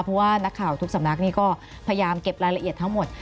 เพราะว่านักข่าวทุกสำนักนี่ก็พยายามเก็บรายละเอียดทั้งหมด